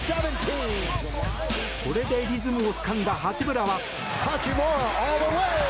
これでリズムをつかんだ八村は。